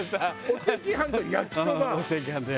お赤飯と焼きそば。